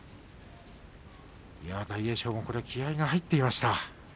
大栄翔、気合いが入っていました。